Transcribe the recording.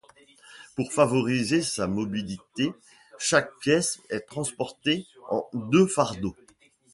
Pour favoriser sa mobilité, chaque pièce est transportée en deux fardeaux.